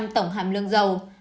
tổng hàm lương dầu